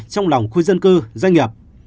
trong lòng khu dân cư doanh nghiệp